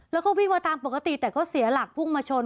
แล้วก็วิ่งมาตามปกติแต่ก็เสียหลักพุ่งมาชน